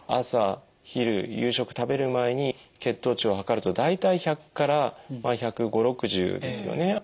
朝昼夕食食べる前に血糖値を測ると大体１００から１５０１６０ですよね。